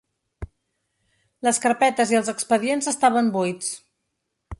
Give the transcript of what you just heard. Les carpetes i els expedients estaven buits.